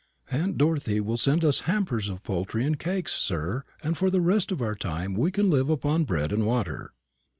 "Aunt Dorothy will send us hampers of poultry and cakes, sir, and for the rest of our time we can live upon bread and water."